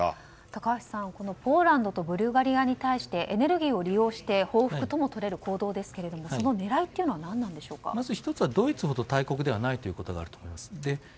高橋さん、ポーランドとブルガリアに対してエネルギーを利用して報復とも取れる行動ですけどまず１つはロシアほど大国ではないということがあると思います。